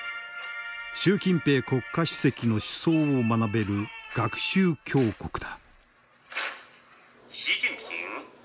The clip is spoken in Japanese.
習近平国家主席の思想を学べる「学習強国」だ。